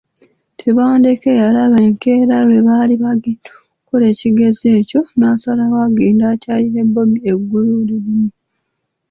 Tebandeke yalaba enkeera lwe baali bagenda okukola ekigezo ekyo n’asalawo agende akyalire Bob eggulolimu.